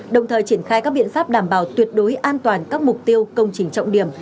đồng thời triển khai các biện pháp đảm bảo tuyệt đối an toàn các mục tiêu công trình trọng điểm